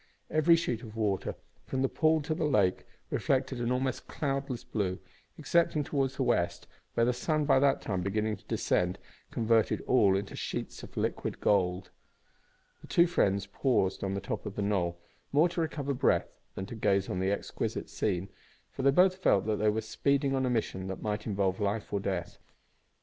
Every sheet of water, from the pool to the lake, reflected an almost cloudless blue, excepting towards the west, where the sun, by that time beginning to descend, converted all into sheets of liquid gold. The two friends paused on the top of a knoll, more to recover breath than to gaze on the exquisite scene, for they both felt that they were speeding on a mission that might involve life or death.